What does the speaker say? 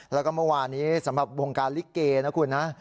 แล้วก็เมื่อวานี้สำหรับวงการลิเกนะคุณนะ